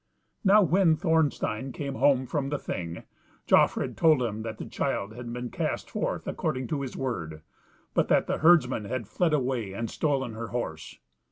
Now when Thorstein came home from the Thing, Jofrid told him that the child had been cast forth according to his word, but that the herdsman had fled away and stolen her horse.